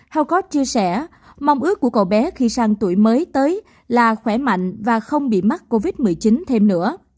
hawkot chia sẻ mong ước của cậu bé khi sang tuổi mới tới là khỏe mạnh và không bị mắc covid một mươi chín thêm nữa